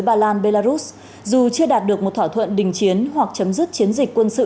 ba lan belarus dù chưa đạt được một thỏa thuận đình chiến hoặc chấm dứt chiến dịch quân sự